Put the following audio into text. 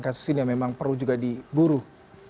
dari mas ini yang memang perlu juga di buruh